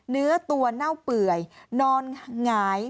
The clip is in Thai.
เนื้อตัวเน่าเปื่อยนอนหงาย